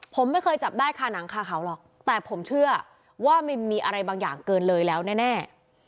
ผมไม่เคยจับได้คาหนังคาเขาหรอกแต่ผมเชื่อว่ามันมีอะไรบางอย่างเกินเลยแล้วแน่